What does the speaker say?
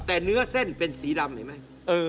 แต่เนื้อเส้นเป็นสีดำเห็นไหม